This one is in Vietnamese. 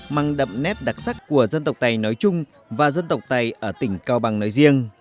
mang đậm nét đặc sắc của dân tộc tây nói chung và dân tộc tây ở tỉnh cao bằng nói riêng